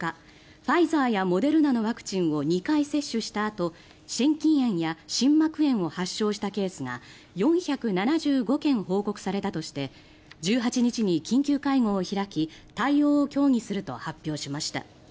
ファイザーやモデルナのワクチンを２回接種したあと心筋炎や心膜炎を発症したケースが４７５件報告されたとして１８日に緊急会合を開き対応を協議すると発表しました。